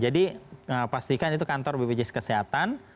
jadi pastikan itu kantor bpjs kesehatan